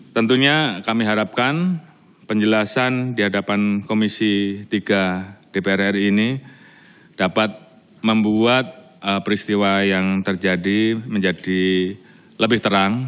tentunya kami harapkan penjelasan di hadapan komisi tiga dpr ri ini dapat membuat peristiwa yang terjadi menjadi lebih terang